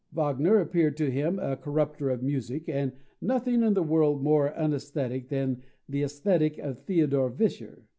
Wagner appeared to him a corrupter of music, and "nothing in the world more unaesthetic than the Aesthetic of Theodore Vischer."